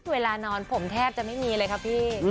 เวลานอนผมแทบจะไม่มีเลยครับพี่